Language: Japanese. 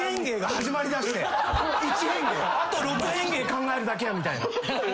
あと６変化考えるだけやみたいな。